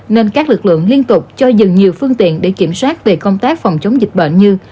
nên các lực lượng liên tục cho dừng nhiều phương tiện để kiểm soát về công tác phòng chống dịch bệnh như